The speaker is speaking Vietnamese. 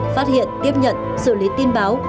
phát hiện tiếp nhận xử lý tin báo